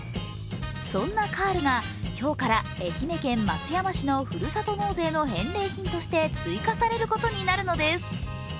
そんなカールが今日から愛媛県松山市のふるさと納税の返礼品として追加されることになるのです。